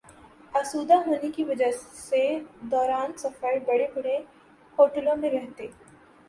آسودہ ہونے کی وجہ سے دوران سفر بڑے بڑے ہوٹلوں میں رہتے